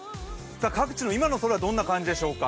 各地の今の空、どんな感じでしょうか。